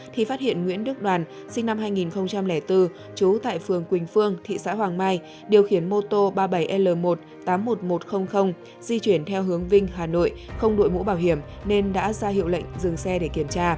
thì phát hiện nguyễn đức đoàn sinh năm hai nghìn bốn trú tại phường quỳnh phương thị xã hoàng mai điều khiển mô tô ba mươi bảy l một tám mươi một nghìn một trăm linh di chuyển theo hướng vinh hà nội không đội mũ bảo hiểm nên đã ra hiệu lệnh dừng xe để kiểm tra